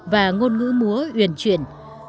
và ngôn ngữ múa uyển chuyển